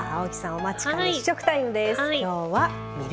お待ちかね試食タイムです。